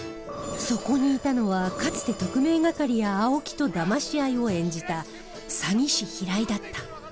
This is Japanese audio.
そこにいたのはかつて特命係や青木とだまし合いを演じた詐欺師平井だった。